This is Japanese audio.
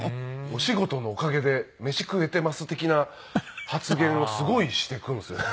お仕事のおかげで飯食えてます的な発言をすごいしてくるんですよね。